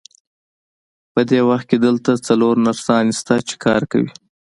په دې وخت کې دلته څلور نرسانې شته، چې کار کوي.